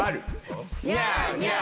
ニャーニャー。